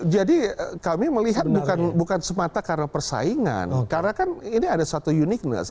jadi kami melihat bukan semata karena persaingan karena kan ini ada satu uniqueness